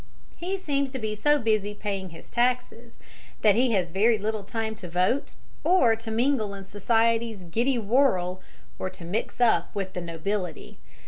He seems to be so busy paying his taxes that he has very little time to vote, or to mingle in society's giddy whirl, or to mix up with the nobility.